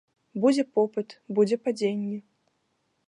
Будзе попыт, будзе падзенне.